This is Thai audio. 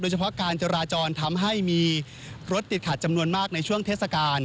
เฉพาะการจราจรทำให้มีรถติดขัดจำนวนมากในช่วงเทศกาล